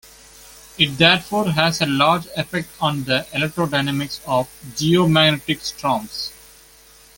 It therefore has a large effect on the electrodynamics of geomagnetic storms.